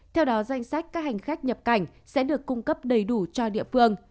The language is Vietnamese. theo đó danh sách các hành khách nhập cảnh sẽ được cung cấp đầy đủ cho địa phương